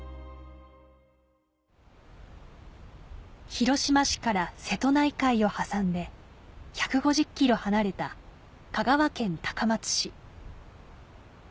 広島市から瀬戸内海を挟んで１５０ｋｍ離れた香川県高松市